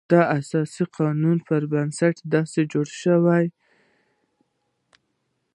د اساسي قانون پر بنسټ داسې جوړ شول.